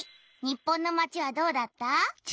日本のまちはどうだった？